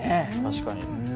確かに。